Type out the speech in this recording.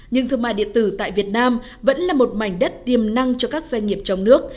nhưng thương mại điện tử tại việt nam vẫn là một mảnh đất tiềm năng cho các doanh nghiệp trong nước